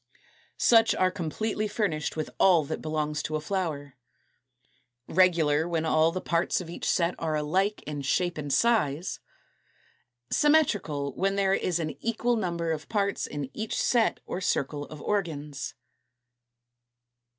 Such are completely furnished with all that belongs to a flower. Regular, when all the parts of each set are alike in shape and size. Symmetrical, when there is an equal number of parts in each set or circle of organs.